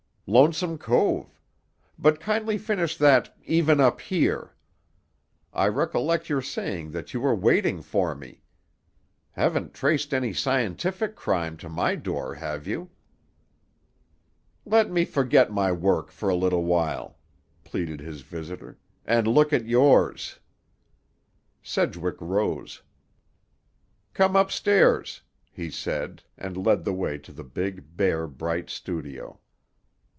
Lonesome Cove. But kindly finish that 'even up here'. I recollect your saying that you were waiting for me. Haven't traced any scientific crime to my door, have you?" "Let me forget my work for a little while," pleaded his visitor, "and look at yours." Sedgwick rose. "Come up stairs," he said, and led the way to the big, bare, bright studio.